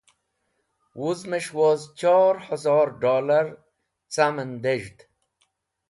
Wuz’mes̃h woz chaor hazor dollar cam en dez̃hd.